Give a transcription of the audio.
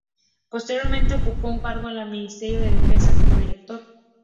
Posteriormente ocupó un cargo en el Ministerio de Defensa como director.